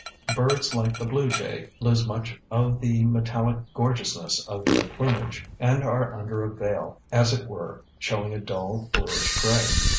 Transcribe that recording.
Birds like the blue jay lose much of the metallic gorgeousness of their plumage and are under a veil as it were, showing a dull, bluish gray.